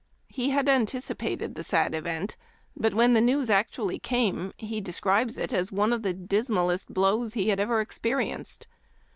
He had anticipated the sad event, but when the news actually came he describes it as " one of the dismalest blows he had ever experienced."